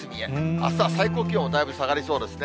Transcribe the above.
あしたは最高気温もだいぶ下がりそうですね。